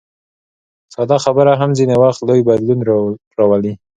ساده خبره هم ځینې وخت لوی بدلون راولي.